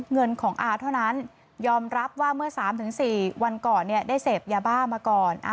เงินของอาเท่านั้นยอมรับว่าเมื่อ๓๔วันก่อนได้เสพยาบ้ามาก่อน